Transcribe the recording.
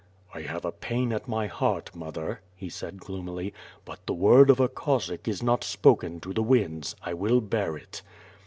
"I have a pain at my heart, mother," he said gloomily, ''but the word of a Cossack is not spoken to the winds; I will bear it."